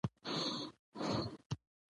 اوښ د افغانستان د کلتوري میراث یوه برخه ده.